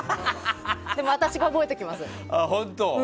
でも私が覚えておきます。